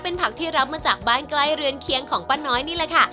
เป็นผักที่รับมาจากบ้านใกล้เรือนเคียงของป้าน้อยนี่แหละค่ะ